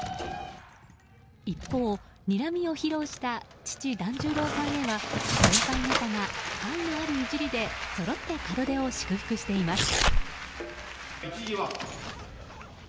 一方、にらみを披露した父・團十郎さんへは先輩方が、愛のあるいじりでそろって門出を祝福しています。